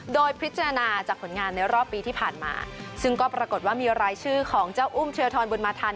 โดยพิจารณาจากผลงานในรอบปีที่ผ่านมาซึ่งก็ปรากฏว่ามีรายชื่อของเจ้าอุ้มเทียทรบุญมาทัน